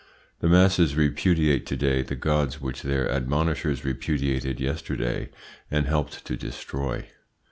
The masses repudiate to day the gods which their admonishers repudiated yesterday and helped to destroy.